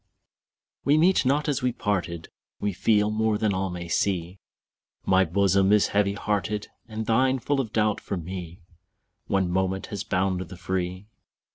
We meet not as we parted, We feel more than all may see; My bosom is heavy hearted, And thine full of doubt for me: One moment has bound the free.